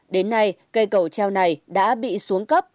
đến nay cây cầu treo này đã bị xuống cấp